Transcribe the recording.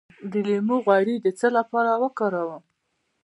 د لیمو غوړي د څه لپاره وکاروم؟